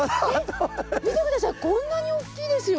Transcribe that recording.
見て下さいこんなに大きいですよ！